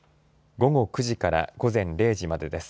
午後９時から午前０時までです。